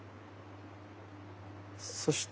そして。